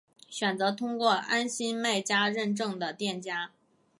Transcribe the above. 选择通过安心卖家认证的店家